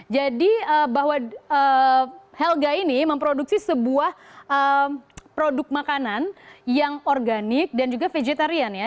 jadi bahwa helga ini memproduksi sebuah produk makanan yang organik dan juga vegetarian ya